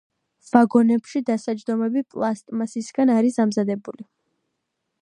ვაგონებში დასაჯდომები პლასტმასისგან არის დამზადებული.